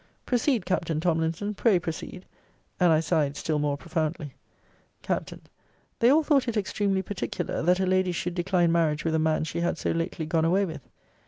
Proceed, Captain Tomlinson. Pray proceed. And I sighed still more profoundly. Capt. 'They all thought it extremely particular, that a lady should decline marriage with a man she had so lately gone away with.'